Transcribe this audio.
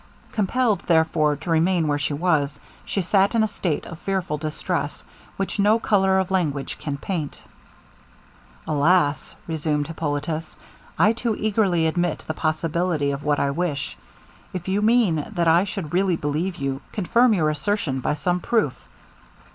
Compelled, therefore, to remain where she was, she sat in a state of fearful distress, which no colour of language can paint. 'Alas!' resumed Hippolitus, 'I too eagerly admit the possibility of what I wish. If you mean that I should really believe you, confirm your assertion by some proof.'